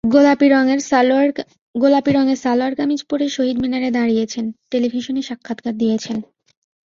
গোলাপি রঙের সালোয়ার কামিজ পরে শহীদ মিনারে দাঁড়িয়েছেন, টেলিভিশনে সাক্ষাৎকার দিয়েছেন।